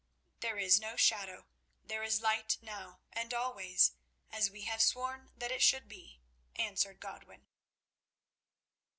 "There is no shadow; there is light, now and always, as we have sworn that it should be," answered Godwin.